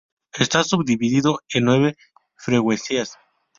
Está subdividido en nueve freguesías.